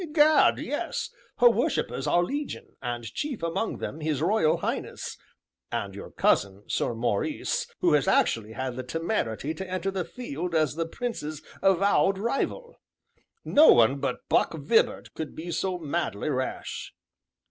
"Gad, yes! her worshippers are legion, and chief among them his Royal Highness, and your cousin, Sir Maurice, who has actually had the temerity to enter the field as the Prince's avowed rival; no one but 'Buck' Vibart could be so madly rash!"